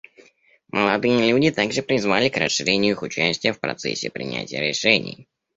Молодые люди также призвали к расширению их участия в процессе принятия решений.